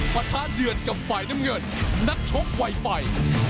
ประทะเดือดกับฝ่ายน้ำเงินนักชกไวไฟ